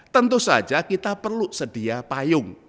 tentu saja kita perlu sedia payung